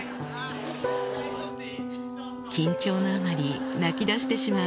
・緊張のあまり泣きだしてしまう